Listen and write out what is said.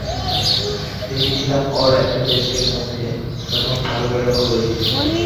দেখেছিলুম ওর একটা ডেস্কের মধ্যে, তখন ভালো করে লক্ষ্য করি নি।